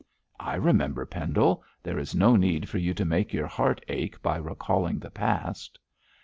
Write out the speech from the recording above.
'I remember, Pendle; there is no need for you to make your heart ache by recalling the past.'